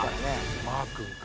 「マー君か」